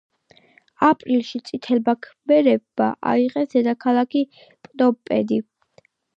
აპრილში წითელმა ქმერებმა აიღეს დედაქალაქი პნომპენი.